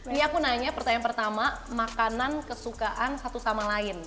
ini aku nanya pertanyaan pertama makanan kesukaan satu sama lain